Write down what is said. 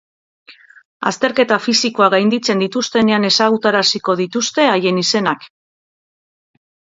Azterketa fisikoak gainditzen dituztenean ezagutaraziko dituzte haien izenak.